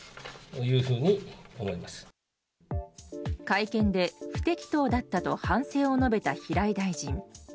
会見で不適当だったと反省を述べた平井大臣。